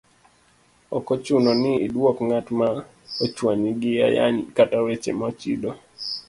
Ok ochuno ni idwok ng'at ma ochwanyi gi ayany kata weche mochido,